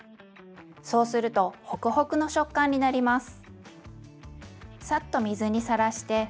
そうするとホクホクの食感になります。